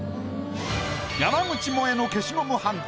山口もえの消しゴムはんこ。